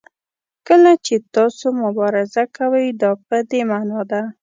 کله چې تاسو مبارزه کوئ دا په دې معنا ده.